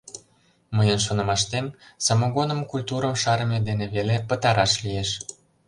Мыйын шонымаштем, самогоным культурым шарыме дене веле пытараш лиеш.